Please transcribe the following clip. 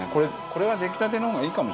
これは出来たての方がいいかも。